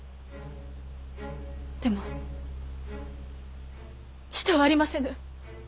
でもしとうありませぬ！